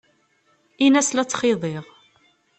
Ini-as la ttxiḍiɣ.